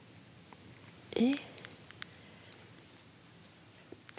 え。